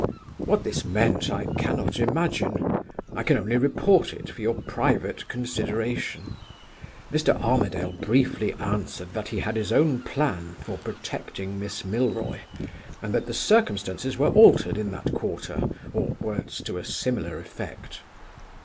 What this meant I cannot imagine. I can only report it for your private consideration. Mr. Armadale briefly answered that he had his own plan for protecting Miss Milroy, and that the circumstances were altered in that quarter, or words to a similar effect.